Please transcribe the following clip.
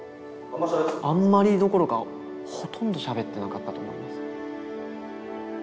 あんまりどころかほとんどしゃべってなかったと思います。